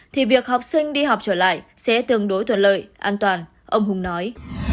thì việc học sinh đi học trở lại sẽ tương đối thuận lợi an toàn ông hùng nói